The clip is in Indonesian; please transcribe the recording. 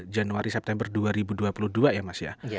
januari september dua ribu dua puluh dua ya mas ya